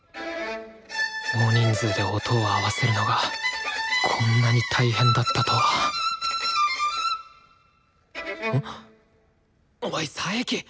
大人数で音を合わせるのがこんなに大変だったとはおい佐伯！